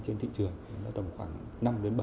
trên thị trường là tầm khoảng năm bảy